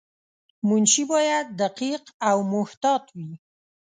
منشي باید دقیق او محتاط وای.